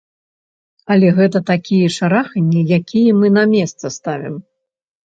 Але гэта такія шараханні, якія мы на месца ставім.